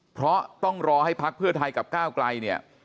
เพราะต้องรอให้ภักดิ์เพื่อไทยกับก้าวกลาย